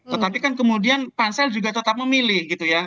tetapi kan kemudian pansel juga tetap memilih gitu ya